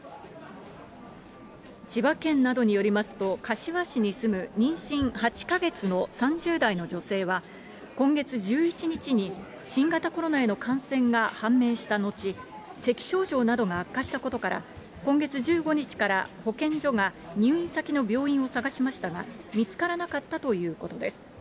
千葉県などによりますと、柏市に住む妊娠８か月の３０代の女性は、今月１１日に新型コロナへの感染が判明した後、せき症状などが悪化したことから、今月１５日から保健所が入院先の病院を探しましたが、見つからなかったということです。